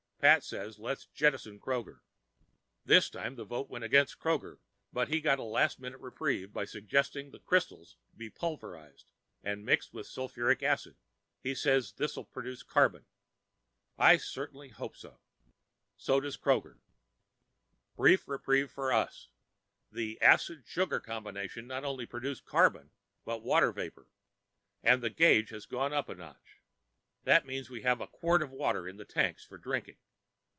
Pat says let's jettison Kroger. This time the vote went against Kroger, but he got a last minute reprieve by suggesting the crystals be pulverized and mixed with sulphuric acid. He says this'll produce carbon. I certainly hope so. So does Kroger. Brief reprieve for us. The acid sugar combination not only produces carbon but water vapor, and the gauge has gone up a notch. That means that we have a quart of water in the tanks for drinking.